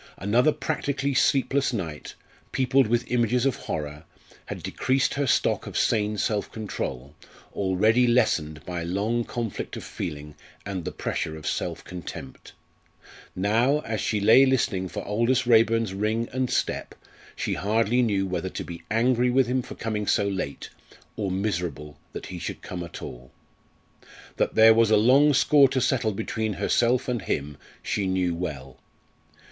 Another practically sleepless night, peopled with images of horror, had decreased her stock of sane self control, already lessened by long conflict of feeling and the pressure of self contempt. Now, as she lay listening for Aldous Raeburn's ring and step, she hardly knew whether to be angry with him for coming so late, or miserable that he should come at all. That there was a long score to settle between herself and him she knew well.